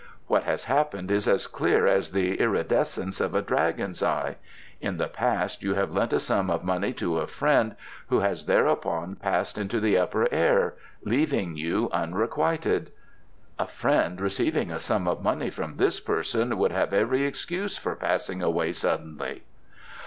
What has happened is as clear as the iridescence of a dragon's eye. In the past you have lent a sum of money to a friend who has thereupon passed into the Upper Air, leaving you unrequited." "A friend receiving a sum of money from this person would have every excuse for passing away suddenly."